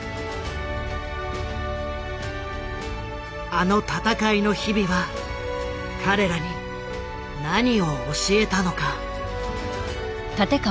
あの戦いの日々は彼らに何を教えたのか。